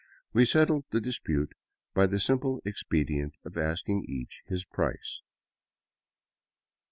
We settled the dispute by the simple expedient of asking each his price.